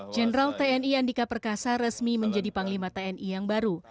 jenderal tni andika perkasa resmi menjadi panglima tni yang baru